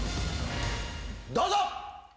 どうぞ！